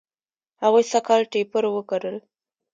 هغوی سږ کال ټیپر و کرل.